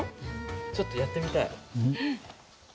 ちょっとやってみたい。